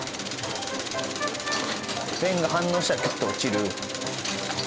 弁が反応したら切って落ちる。